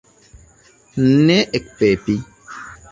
Ne ekpepi!